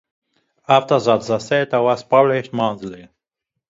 After that "The Theatre" was published monthly.